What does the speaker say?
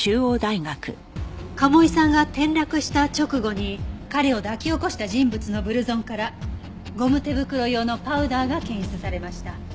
賀茂井さんが転落した直後に彼を抱き起こした人物のブルゾンからゴム手袋用のパウダーが検出されました。